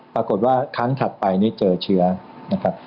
ปรากฏว่าครั้งถัดไปนี่เจอเชื้อนะครับ